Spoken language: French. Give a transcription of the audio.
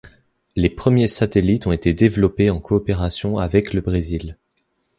Les premiers satellites ont été développés en coopération avec le Brésil.